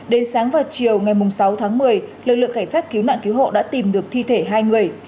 đến sáng và chiều ngày sáu tháng một mươi lực lượng khải sát cứu nạn cứu hộ đã tìm được thi thể hai người